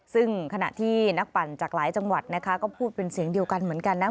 ซึ่งขณะที่นักปั่นจากหลายจังหวัดนะคะก็พูดเป็นเสียงเดียวกันเหมือนกันนะ